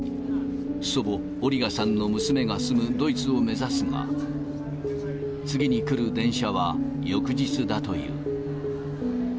祖母、オリガさんの娘が住むドイツを目指すが、次に来る電車は翌日だという。